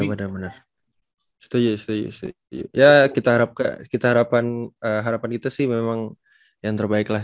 bener bener setuju setuju ya kita harap ke kita harapan harapan kita sih memang yang terbaiklah